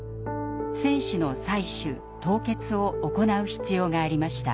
精子の採取・凍結を行う必要がありました。